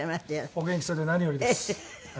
お元気そうで何よりです。